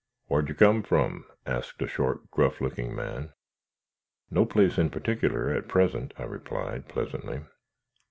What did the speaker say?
"Whar'd you come from?" asked a short, gruff looking man. "No place in particular, at present," I replied, pleasantly.